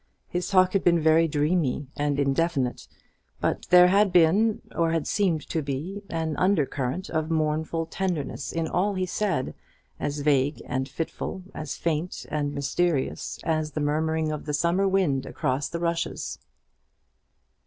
His talk had been very dreamy and indefinite; but there had been, or had seemed to be, an undercurrent of mournful tenderness in all he said, as vague and fitful, as faint and mysterious, as the murmuring of the summer wind among the rushes.